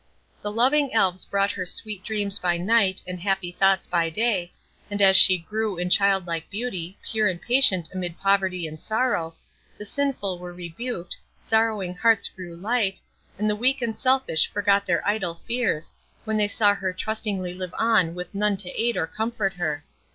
The loving Elves brought her sweet dreams by night, and happy thoughts by day, and as she grew in childlike beauty, pure and patient amid poverty and sorrow, the sinful were rebuked, sorrowing hearts grew light, and the weak and selfish forgot their idle fears, when they saw her trustingly live on with none to aid or comfort her.